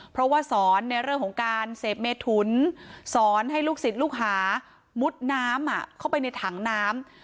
เพราะว่าสอนในเรื่องของการเสพเมถุนสอนให้ลูกศิษย์ลูกหามุดน้ำเข้าไปในถังน้ำ